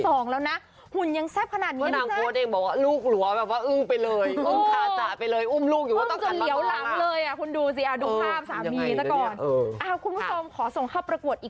โอ้โหมีลูกสองแล้วนะ